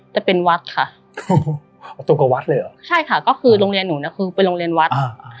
จะเป็นวัดค่ะตรงกับวัดเลยเหรอใช่ค่ะก็คือโรงเรียนหนูเนี่ยคือเป็นโรงเรียนวัด